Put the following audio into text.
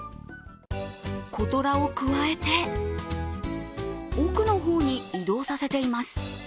子トラをくわえて、奥の方に移動させています。